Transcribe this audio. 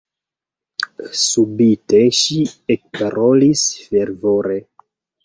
Subite ŝi ekparolis fervore: